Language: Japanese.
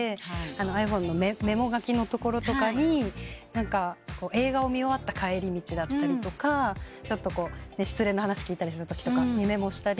ｉＰｈｏｎｅのメモ書きのところとかに映画を見終わった帰り道だったりとかちょっと失恋の話聞いたりしたときにメモしたり。